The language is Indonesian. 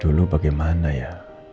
dulu bagaimana ya